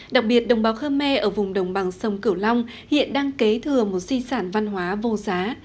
đặc biệt đồng bào khơ me ở vùng đồng bằng sông cửu long hiện đang kế thừa một di sản văn hóa vô giá